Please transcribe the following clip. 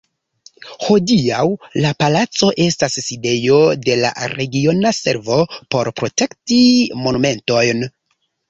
Hodiaŭ la palaco estas sidejo de la Regiona Servo por Protekti Monumentojn.